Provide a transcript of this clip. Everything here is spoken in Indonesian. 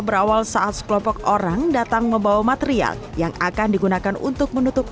berawal saat sekelompok orang datang membawa material yang akan digunakan untuk menutup